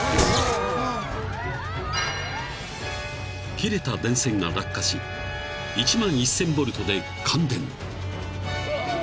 ［切れた電線が落下し１万１，０００ボルトで感電］